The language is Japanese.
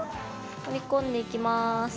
折り込んでいきます。